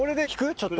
ちょっと。